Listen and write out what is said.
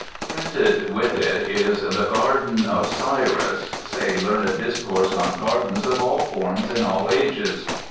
Printed with it is The Garden of Cyrus, a learned discourse on gardens of all forms in all ages.